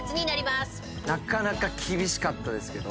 なかなか厳しかったです。